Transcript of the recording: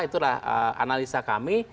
itulah analisa kami